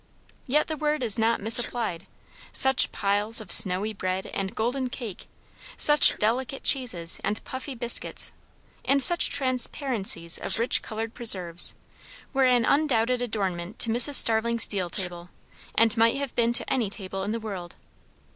Yet the word is not misapplied. Such piles of snowy bread and golden cake, such delicate cheeses and puffy biscuits, and such transparencies of rich coloured preserves, were an undoubted adornment to Mrs. Starling's deal table, and might have been to any table in the world.